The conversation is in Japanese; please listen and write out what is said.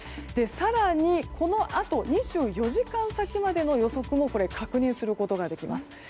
更に、このあと２４時間先までの予測も確認することができます。